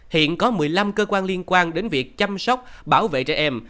hiện có một mươi năm cơ quan liên quan đến việc chăm sóc bảo vệ trẻ em